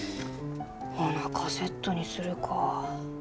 ほなカセットにするか。